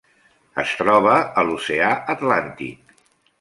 Es troba a l'Oceà Atlàntic.